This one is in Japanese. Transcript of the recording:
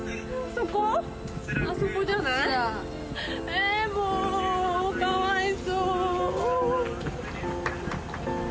えーもうかわいそう。